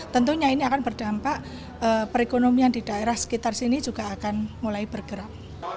tentunya ini akan berdampak perekonomian di daerah sekitar sini juga akan mulai bergerak